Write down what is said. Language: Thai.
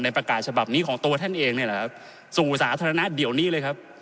ในประกาศฉบับนี้ของตัวตัวเองสู่สาธารณะเดียวนี้เลยครับ